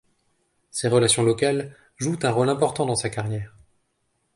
Ses relations locales jouent un rôle important dans sa carrière.